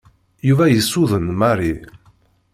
Yuba yessuden Mary.